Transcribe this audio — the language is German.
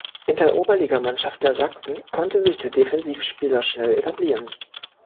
In der Oberligamannschaft der Sachsen konnte sich der Defensivspieler schnell etablieren.